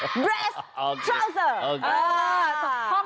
สกาท์สัตว์ดรีสชาวเซอร์